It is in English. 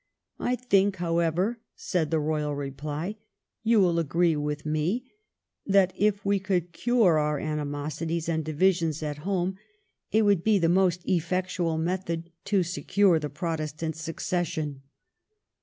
' I think, however,' said the Eoyal reply, ' you will agree with me that if we could cure our animosities and divisions at home it would 262 THE REIGN OF QUEEN ANNE. ch. xxxiii. be the most effectual method to secure the Protestant succession.'